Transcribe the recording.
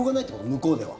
向こうでは。